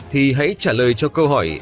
thì hãy trả lời cho câu hỏi